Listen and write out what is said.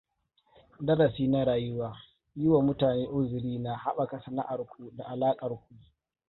Darasi na rayuwa: yiwa mutane uzuri na haɓaka sana'arku da alaƙarku!